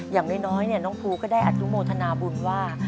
อย่างน้อยน้องภูก็ได้อนุโมทนาบุญว่า